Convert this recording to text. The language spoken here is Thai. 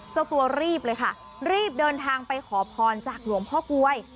เจ้าตัวรีบเลยค่ะรีบเดินทางไปขอพรจากหลวงพ่อกลวย